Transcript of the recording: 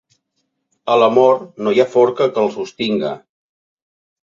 A l'amor no hi ha forca que el sostinga.